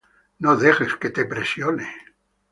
No dejes que te presione".